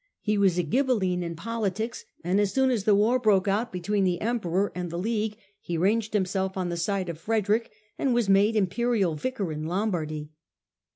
1 He was a Ghibelline in politics, and as soon as the war broke out between the Emperor and the League he ranged himself on the side of Frederick, and was made Imperial Vicar in Lombardy.